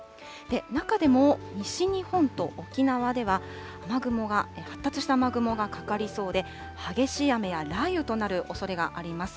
中でも、西日本と沖縄では、雨雲が、発達した雨雲がかかりそうで、激しい雨や雷雨となるおそれがあります。